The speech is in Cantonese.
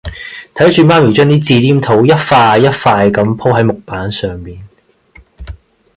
睇住媽咪將啲紙黏土一塊一塊咁舖喺木板上面